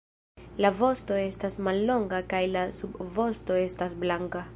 La vosto estas mallonga kaj la subvosto estas blanka.